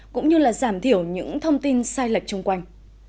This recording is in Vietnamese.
cũng như là giảm thiểu những thông tin sai lệch chung quanh